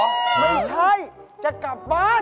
ไม่ใช่จะกลับบ้าน